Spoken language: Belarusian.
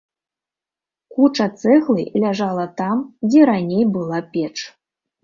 Куча цэглы ляжала там, дзе раней была печ.